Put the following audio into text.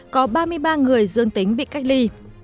có ba mươi ba người dương tính bị cách ly